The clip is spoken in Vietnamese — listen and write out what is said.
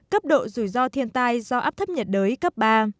cấp độ rủi ro thiên tai do áp thấp nhiệt đới cấp ba